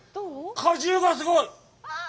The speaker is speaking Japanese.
果汁がすごい！